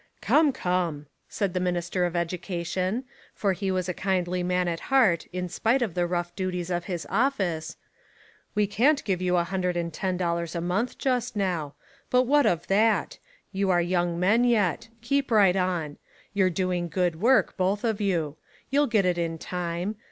"Come, come," said the Minister of Educa tion, for he was a kindly man at heart in spite of the rough duties of his office, "we can't give you a hundred and ten dollars a month just now. But what of that? You're young men yet. Keep right on. You're doing good work, both of you. You'll get It in time.